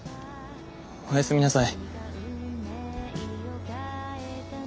おやすみなさい。